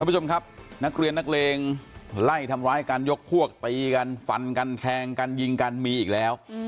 ผู้ชมครับนักเรียนนักเลงไล่ทำร้ายกันยกพวกตีกันฟันกันแทงกันยิงกันมีอีกแล้ว